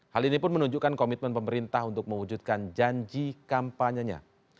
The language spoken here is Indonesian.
hal ini pun menunjukkan komitmen pemerintah untuk mewujudkan janji kampanyenya